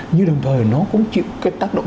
như đồng thời nó cũng chịu cái tác động